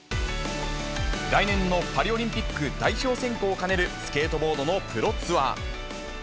来年のパリオリンピック代表選考を兼ねるスケートボードのプロツアー。